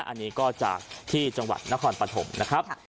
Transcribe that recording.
อันนี้ก็จากที่จังหวัดนครปฐมนะครับ